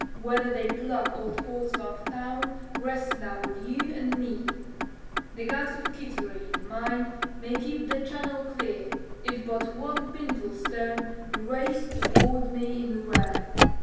Whether they pluck old Portsmouth town rests now with you and me. "The guns of Kittery, and mine, may keep the channel clear, If but one pintle stone be raised to ward me in the rear.